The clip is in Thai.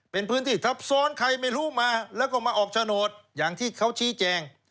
เป็นพื้นที่ทับซ้อนใครไม่รู้มาแล้วก็มาออกโฉนดอย่างที่เขาชี้แจง